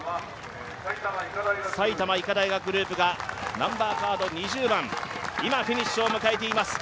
埼玉医科大学グループが２０番、今フィニッシュを迎えています。